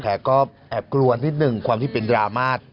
แต่ก็แอบกลัวนิดหนึ่งความที่เป็นดราม่า